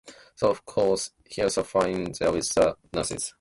So, of course, he’ll suffer in there with the nurses.